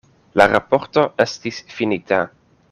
La raporto estis finita.